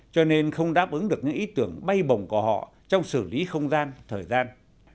cho nên không đáp ứng được những ý tưởng bay bồng của họ trong xử lý không gian thời gian